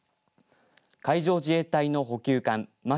海上自衛隊の補給艦ま